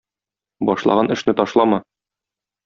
Башлаган эшне ташлама.